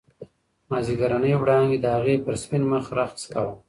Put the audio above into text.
مازیګرنۍ وړانګې د هغې پر سپین مخ رقص کاوه.